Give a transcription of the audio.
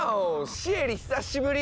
シエリ久しぶり！